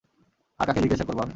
আর কাকে জিজ্ঞেস করব আমি?